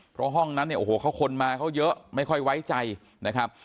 เพราะห้องนั้นเนี่ยโอ้โหเขาคนมาเขาเยอะไม่ค่อยไว้ใจนะครับ